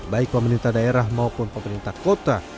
baik pemerintah daerah maupun pemerintah kota